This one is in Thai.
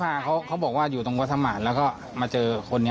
เขาไม่ได้พาเขาบอกว่าอยู่ตรงวัฒนมารแล้วก็มาเจอคนนี้